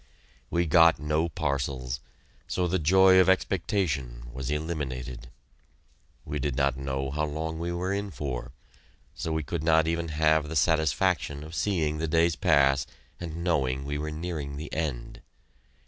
We got no parcels; so the joy of expectation was eliminated. We did not know how long we were in for, so we could not even have the satisfaction of seeing the days pass, and knowing we were nearing the end!